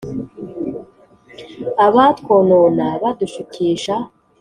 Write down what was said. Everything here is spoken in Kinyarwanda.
abatwonona badushukisha